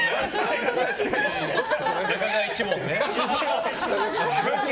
中川一門ね。